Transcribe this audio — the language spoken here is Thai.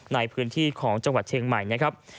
ในพื้นที่ของจังหวัดเชียงใหม่นะครับ